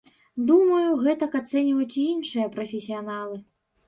Думаю, гэтак ацэньваюць і іншыя прафесіяналы.